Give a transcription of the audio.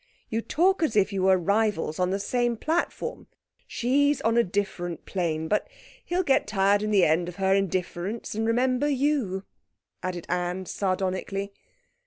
You talk as if you were rivals on the same platform. She's on a different plane. But he'll get tired in the end of her indifference and remember you,' added Anne sardonically.